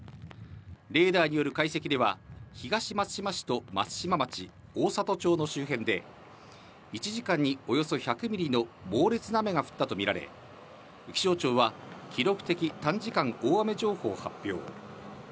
レーダーによる解析では、東松島市と松島町、大郷町の周辺で、１時間におよそ１００ミリの猛烈な雨が降ったと見られ、気象庁は記録的短時間大雨情報を発表。